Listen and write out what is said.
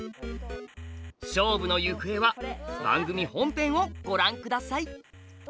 勝負の行方は番組本編をご覧下さい！